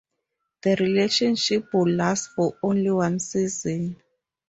The relationship would last for only one season.